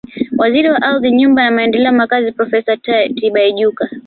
Waziri wa Ardhi Nyumba na Maendeleo ya Makazi Profesa Tibaijuka